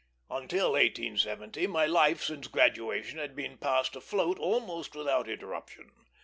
Until 1870 my life since graduation had been passed afloat almost without interruption.